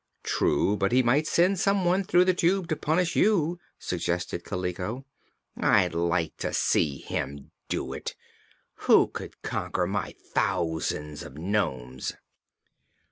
"True; but he might send some one through the Tube to punish you," suggested Kaliko. "I'd like to see him do it! Who could conquer my thousands of nomes?"